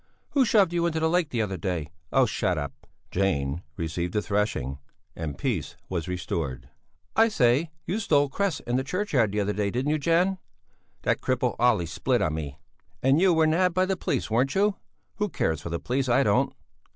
"Who shoved you into the lake the other day?" "Oh! shut up!" Janne received a thrashing, and peace was restored. "I say! You stole cress in the churchyard the other day, didn't you, Janne?" "That cripple Olee split on me!" "And you were nabbed by the police, weren't you?" "Who cares for the police? I don't!"